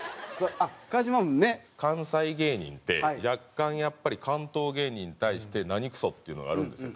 関西芸人って若干やっぱり関東芸人に対して何クソっていうのがあるんですよ。